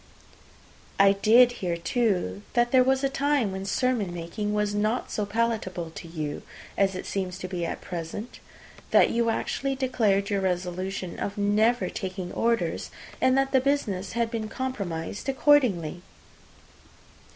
"I did hear, too, that there was a time when sermon making was not so palatable to you as it seems to be at present; that you actually declared your resolution of never taking orders, and that the business had been compromised accordingly."